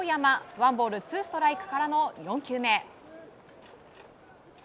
ワンボールツーストライクからの４球目。